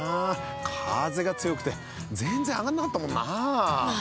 風が強くて全然あがんなかったもんなあ。